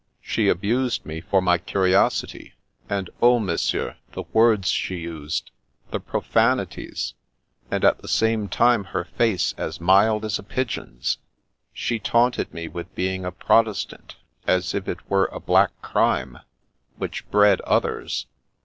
She abused me for my curiosity, and, oh, Monsieur, the words she used! The profanities ! And at the same time her face as mild as a pigeon's! She taunted me with being a Protestant, as if it were a black crime which bred others.